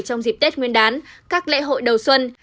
trong dịp tết nguyên đán các lễ hội đầu xuân